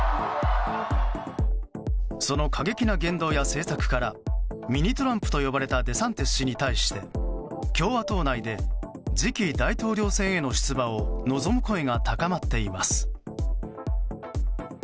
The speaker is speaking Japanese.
その過激な言動や政策からミニトランプと呼ばれたデサンティス氏に対して共和党内で次期大統領選への出馬を望む声が高まっています。